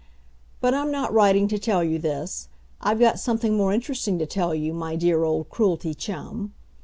But I'm not writing to tell you this. I've got something more interesting to tell you, my dear old Cruelty chum.